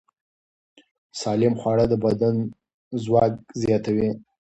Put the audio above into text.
سالم خواړه د بدن ځواک زیاتوي.